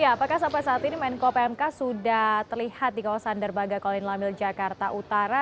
apakah sampai saat ini menko pmk sudah terlihat di kawasan derbaga kolin lamil jakarta utara